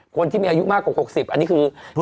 คนที่มีอายุมากกว่า๖๐อันนี้คือ